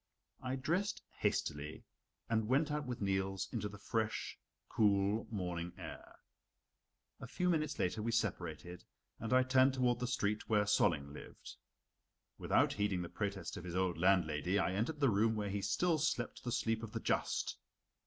I dressed hastily and went out with Niels into the fresh, cool morning air. A few minutes later we separated, and I turned toward the street where Solling lived. Without heeding the protest of his old landlady, I entered the room where he still slept the sleep of the just.